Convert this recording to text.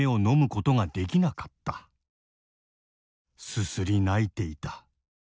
すすり泣いていた。